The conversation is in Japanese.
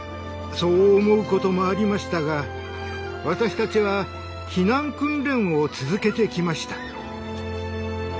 そう思うこともありましたが私たちは避難訓練を続けてきました。